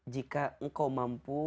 jika engkau mampu